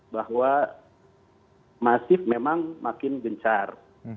bahwa masif memang makin gencar